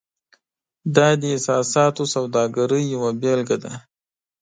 دا د احساساتو سوداګرۍ یوه بیلګه ده.